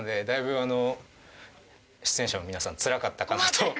だいぶ出演者の皆さんつらかったかなと。